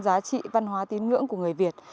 giá trị văn hóa tín ngưỡng của người việt